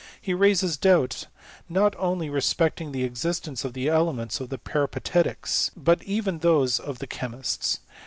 He raises doubts, not only respecting the existence of the elements of the Peripatetics, but even of those of the chemists.